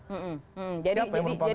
siapa yang penumpang gelap itu